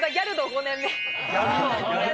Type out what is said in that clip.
５年目。